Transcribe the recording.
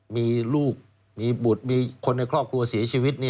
มีลูกมีบุตรมีคนในครอบครัวเสียชีวิต